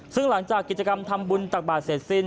ซึ่งหลังจากกิจกรรมทำบุญตักบาทเสร็จสิ้น